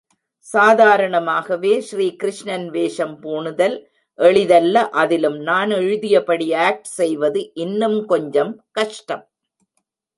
சாதாரணமாகவே ஸ்ரீ கிருஷ்ணன் வேஷம் பூணுதல் எளிதல்ல அதிலும் நான் எழுதியபடி ஆக்ட் செய்வது, இன்னும் கொஞ்சம் கஷ்டம்.